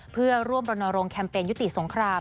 เพื่อร่วมรณรงค์แคมเปญยุติสงคราม